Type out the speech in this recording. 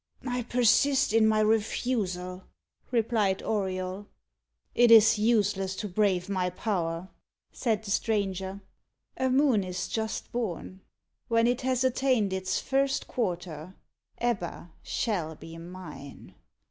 "I persist in my refusal," replied Auriol. "It is useless to brave my power," said the stranger. "A moon is just born. When it has attained its first quarter, Ebba shall be mine.